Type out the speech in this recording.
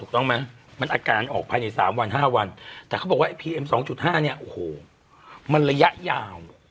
แต่เขาบอกว่าไอพีเอ็มสองจุดห้าเนี้ยโอ้โหมันระยะยาว